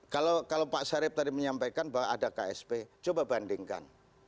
kalau pak sarip tadi menyampaikan bahwa ada ksp coba bandingkan